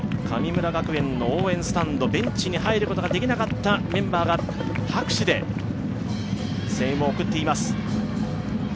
神村学園の応援スタンドベンチに入ることができなかったメンバーが拍手で、声援を送っています。